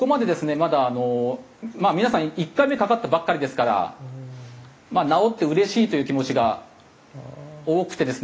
まだあのまあ皆さん１回目かかったばっかりですから治ってうれしいという気持ちが多くてですね